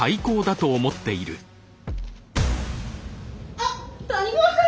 あっ谷川さん！